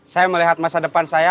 saya melihat masa depan saya